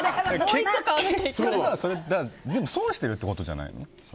結果、全部損してるってことじゃない？